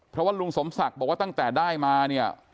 เพราะว่าลุงสมศักดิ์บอกว่าตั้งแต่ได้มาเนี่ย